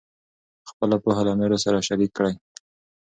خپله پوهه له نورو سره شریک کړئ.